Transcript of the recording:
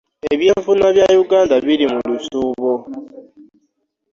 Ebyenfuna bya Uganda biri mu lusuubo.